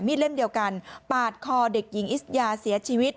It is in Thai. เล่มเดียวกันปาดคอเด็กหญิงอิสยาเสียชีวิต